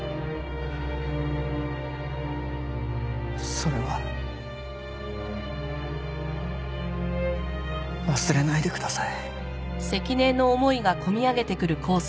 それは忘れないでください。